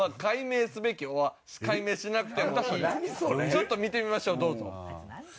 ちょっと見てみましょうどうぞ。